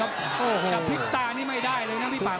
กับแล้วพริกตาไม่ได้เลยนะพี่ปาก